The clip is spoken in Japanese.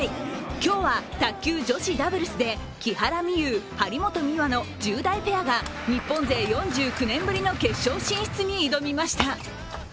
今日は卓球女子ダブルスで木原美悠・張本美和の１０代ペアが日本勢４９年ぶりの決勝進出に挑みました。